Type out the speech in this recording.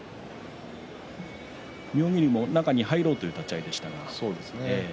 妙義龍も中に入ろうという立ち合いでしたが。